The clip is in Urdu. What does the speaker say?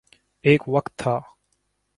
ایک وقت تھا۔